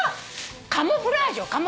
カムフラージュ。